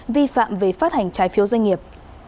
vi phạm về phát hành trái phiếu doanh nghiệp